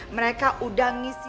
mereka udah ngisi